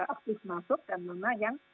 aktif masuk dan mana yang